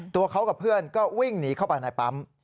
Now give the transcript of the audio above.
ตัวเขากับเพื่อนก็วิ่งหนีเข้าไปในปั๊ม